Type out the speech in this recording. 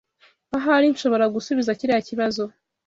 Ahari nshobora gusubiza kiriya kibazo.